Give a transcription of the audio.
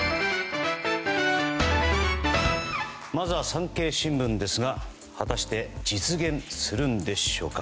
まずは産経新聞ですが果たして実現するんでしょうか。